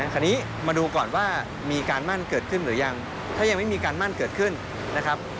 คราวนี้มาดูก่อนว่ามีการมั่นเกิดขึ้นหรือยังถ้ายังไม่มีการมั่นเกิดขึ้นนะครับ